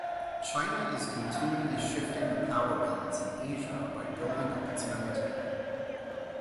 China is continually shifting the power balance in Asia by building up its military.